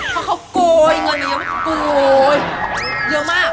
เขาโกยเงินมาอย่างนี้เยอะมาก